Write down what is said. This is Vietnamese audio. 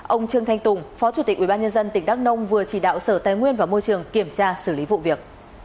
ông trương thanh tùng phó chủ tịch ubnd tỉnh đắk nông vừa chỉ đạo sở tài nguyên và môi trường kiểm tra xử lý vụ việc